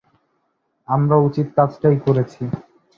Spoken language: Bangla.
আমরা উচিৎ কাজটাই করেছি।